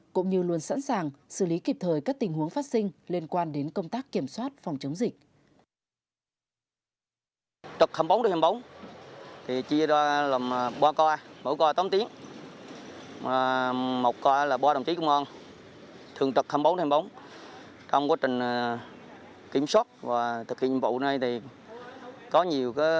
cũng như luôn sẵn sàng xử lý kịp thời các tình huống phát sinh liên quan đến công tác kiểm soát phòng chống dịch